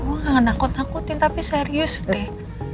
gue nggak nangkut nangkutin tapi serius deh